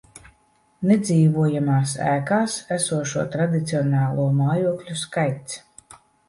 Nedzīvojamās ēkās esošo tradicionālo mājokļu skaits